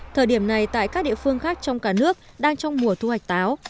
thời điểm này tại các địa phương khác trong cả nước đang trong mùa thu hoạch táo